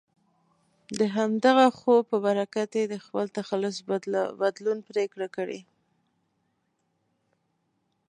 د همدغه خوب په برکت یې د خپل تخلص بدلون پرېکړه کړې.